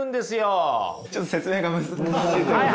ちょっと説明が難しい。